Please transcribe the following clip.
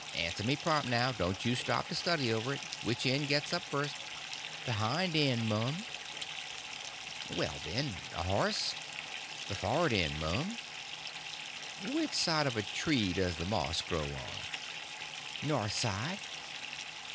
Answer up prompt now—don't stop to study over it. Which end gets up first?" "The hind end, mum." "Well, then, a horse?" "The for'rard end, mum." "Which side of a tree does the moss grow on?" "North side."